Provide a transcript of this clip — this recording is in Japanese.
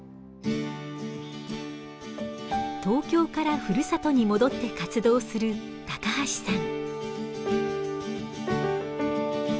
東京からふるさとに戻って活動する橋さん。